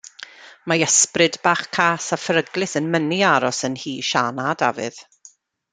Mae ysbryd bach cas a pheryglus yn mynnu aros yn nhŷ Siân a Dafydd.